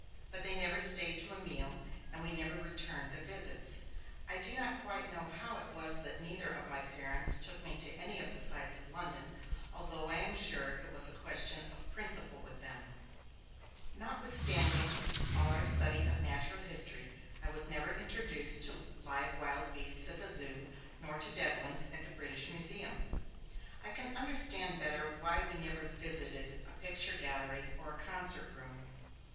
But they never stayed to a meal, and we never returned their visits. I do not quite know how it was that neither of my parents took me to any of the sights of London, although I am sure it was a question of principle with them. Notwithstanding all our study of natural history, I was never introduced to live wild beasts at the Zoo, nor to dead ones at the British Museum. I can understand better why we never visited a picture gallery or a concert room.